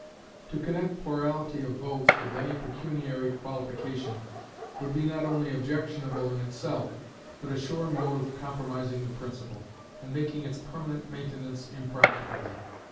To connect plurality of votes with any pecuniary qualification would be not only objectionable in itself, but a sure mode of compromising the principle, and making its permanent maintenance impracticable.